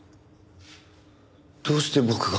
どうして僕が？